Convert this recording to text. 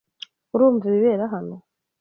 Urumva ibibera hano?